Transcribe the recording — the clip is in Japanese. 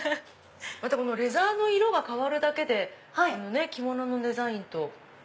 このレザーの色が変わるだけで着物のデザインと。